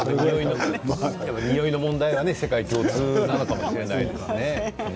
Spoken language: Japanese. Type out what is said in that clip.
においの問題は世界共通かもしれないですね。